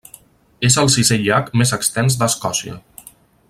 És el sisè llac més extens d'Escòcia.